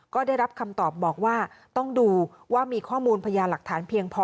ก็ได้รับคำตอบบอกว่าต้องดูว่ามีข้อมูลพญาหลักฐานเพียงพอ